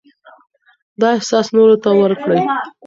دا احساس نورو ته ورکړئ.